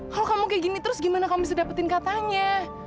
kalau kamu kayak gini terus gimana kamu bisa dapetin katanya